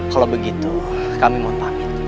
kalau begitu kami mau pamit